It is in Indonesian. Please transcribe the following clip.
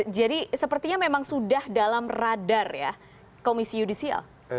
jadi sepertinya memang sudah dalam radar ya komisi yudisial